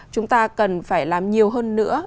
chúng ta cần phải làm nhiều hơn nữa